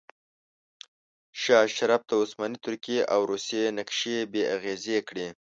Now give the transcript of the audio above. شاه اشرف د عثماني ترکیې او روسیې نقشې بې اغیزې کړې.